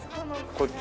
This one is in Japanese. こっち？